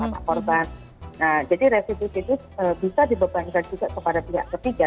nah jadi restitusi itu bisa dibebankan juga kepada pihak ketiga